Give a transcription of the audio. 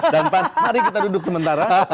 dan pak mari kita duduk sementara